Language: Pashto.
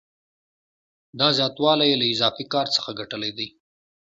دا زیاتوالی یې له اضافي کار څخه ګټلی دی